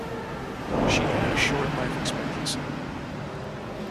She had a short life expectancy.